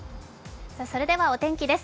それではお天気です。